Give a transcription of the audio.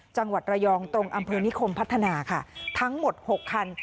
จังหวัดระยองตรงอำเภอนิคมพัฒนาค่ะทั้งหมดหกคัน